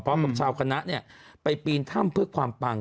ทำชาวคณะไปปีนถ้ำเพื่อความปัง